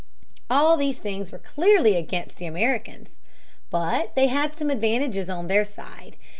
All these things were clearly against the Americans. But they had some advantages on their side.